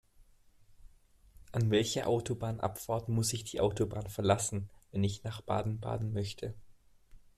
An welcher Autobahnabfahrt muss ich die Autobahn verlassen, wenn ich nach Baden-Baden möchte?